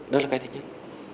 đó là cái thứ nhất